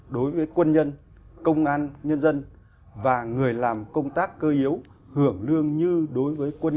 đối với quân nhân công an nhân dân và người làm công tác cơ yếu hưởng lương như đối với quân